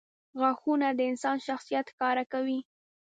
• غاښونه د انسان شخصیت ښکاره کوي.